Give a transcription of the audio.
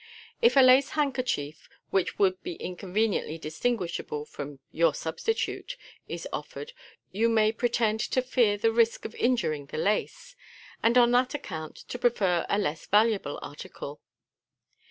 If a lace handkerchief (which would be inconveniently distinguishable from your substitute) is offered, you may pretend to fear the risk of injuring the lace, and on that account to prefer a less valuable article.